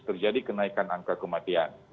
terjadi kenaikan angka kematian